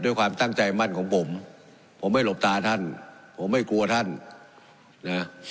ด้วยความตั้งใจมั่นของผมผมไม่หลบตาท่านผมไม่กลัวท่านนะ